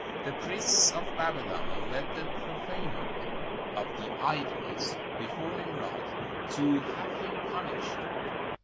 ... The priests of Babylon led the pro faner of the idols before Nimrod to have him punished.